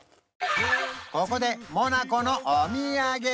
ここでモナコのお土産